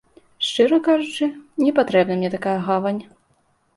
Шчыра кажучы, не патрэбна мне такая гавань.